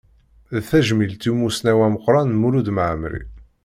D tajmilt i umussnaw ameqqran Mulud Mɛemmri.